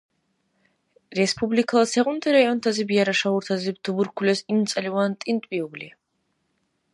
Республикала сегъунти районтазиб яра шагьуртазиб туберкулез имцӀаливан тӀинтӀбиубли?